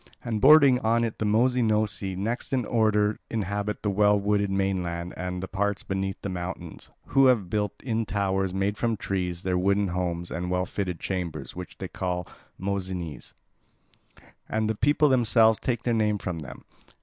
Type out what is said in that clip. And bordering on it the Mossynoeci next in order inhabit the well wooded mainland and the parts beneath the mountains, who have built in towers made from trees their wooden homes and well fitted chambers, which they call Mossynes, and the people themselves take their name from them.